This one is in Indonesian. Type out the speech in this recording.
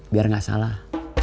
biar gak salah